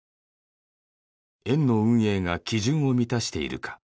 園の運営が基準を満たしているか